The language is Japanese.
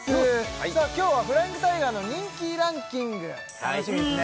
さあ今日はフライングタイガーの人気ランキング楽しみですね